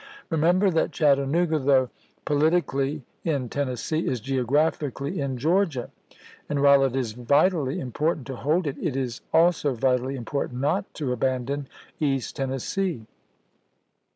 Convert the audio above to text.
Remember that Chattanooga, though polit ically in Tennessee, is geographically in Georgia, and while it is vitally important to hold it, it is also vitally important not to abandon East Tennes see.